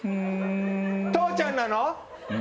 父ちゃんなの？